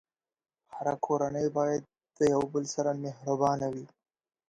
هره کورنۍ باید د یو بل سره مهربانه وي.